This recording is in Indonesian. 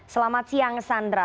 selamat siang sandra